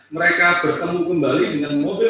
mereka bertemu kembali dengan mobil